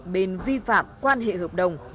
bên vi phạm quan hệ hợp đồng